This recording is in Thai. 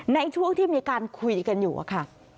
ในช่วงที่มีการคุยกันอยู่อะค่ะ